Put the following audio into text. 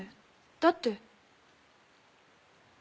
だって。